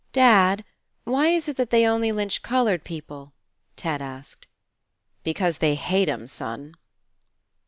"Dad, why is it that they only lynch coloured people?" Ted asked. "Because they hate 'em, son."